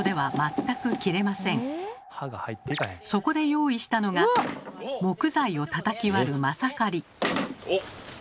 そこで用意したのが木材をたたき割るマサカリ。